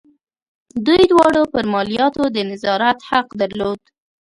دوی دواړو پر مالیاتو د نظارت حق درلود.